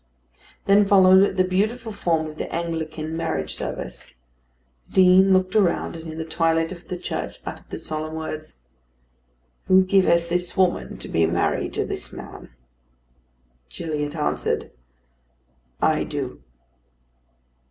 Then followed the beautiful form of the Anglican marriage service. The Dean looked around, and in the twilight of the church uttered the solemn words: "Who giveth this woman to be married to this man?" Gilliatt answered, "I do!"